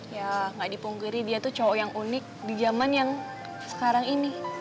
ya gak dipunggiri dia tuh cowok yang unik di jaman yang sekarang ini